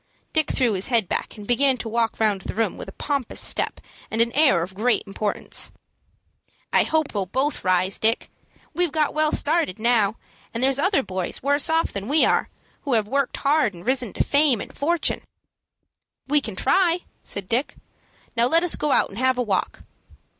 Dick threw his head back, and began to walk round the room with a pompous step and an air of great importance. "I hope we'll both rise, Dick; we've got well started now, and there've been other boys, worse off than we are, who have worked hard, and risen to FAME AND FORTUNE." "We can try," said Dick. "Now let us go out and have a walk."